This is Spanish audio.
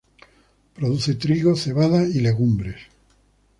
Produce trigo, cebada y legumbres.